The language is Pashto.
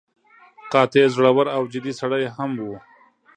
قاطع، زړور او جدي سړی هم و.